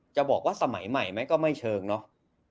จะบอกว่าสมัยใหม่ไหมก็ไม่เชิงเนาะ